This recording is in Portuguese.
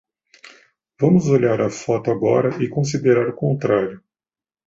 Vamos olhar a foto agora e considerar o contrário.